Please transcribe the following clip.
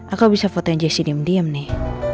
aku bisa foto yang jessi diam diam nih